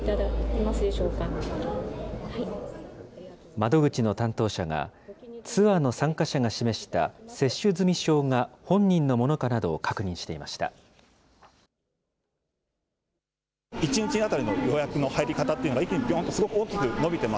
窓口の担当者が、ツアーの参加者が示した接種済証が本人のものかなどを確認していました。